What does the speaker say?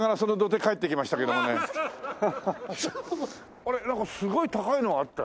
あれなんかすごい高いのあったよ。